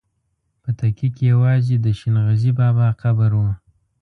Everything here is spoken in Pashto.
په تکیه کې یوازې د شین غزي بابا قبر و.